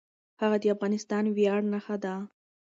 هغه د افغانستان د ویاړ نښه ده.